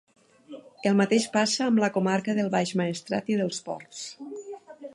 El mateix passa amb la comarca del Baix Maestrat i dels Ports.